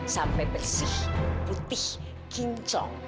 sampai bersih putih kincong